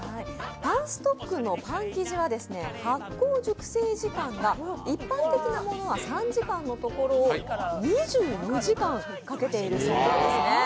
パンストックのパン生地は発酵・熟成時間が一般的なものは３時間のところを２４時間かけているそうですね。